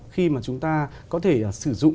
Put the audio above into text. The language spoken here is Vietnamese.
khi mà chúng ta có thể sử dụng